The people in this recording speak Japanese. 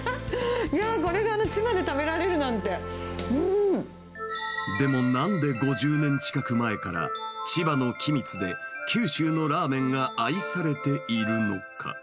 いやー、これが千葉で食べられるでも、なんで５０年近く前から、千葉の君津で九州のラーメンが愛されているのか。